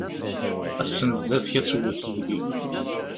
Ass-n zdat-k ad tewwet deg-i.